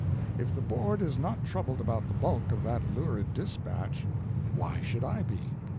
If the Board is not troubled about the bulk of that lurid dispatch, why should I be